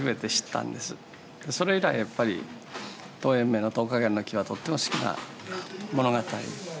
それ以来やっぱり陶淵明の「桃花源記」はとっても好きな物語。